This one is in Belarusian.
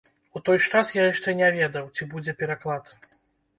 У той час я яшчэ не ведаў, ці будзе пераклад.